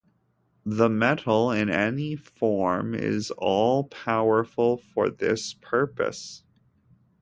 The metal in any form is all-powerful for this purpose.